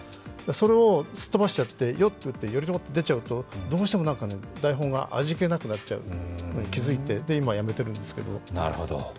それをすっ飛ばしちゃって「よ」とやって頼朝って出ちゃうとどうしても台本が味気なくなっちゃうことに気づいて、今、やめているんですけれども。